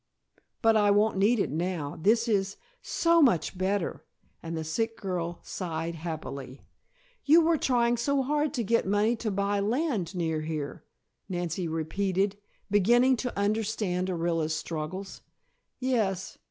But I won't need it now. This is so much better," and the sick girl sighed happily. "You were trying so hard to get money to buy land near here," Nancy repeated, beginning to understand Orilla's struggles. "Yes.